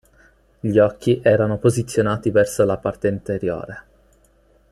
Gli occhi erano posizionati verso la parte anteriore.